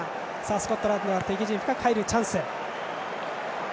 スコットランドは敵陣深く入るチャンス。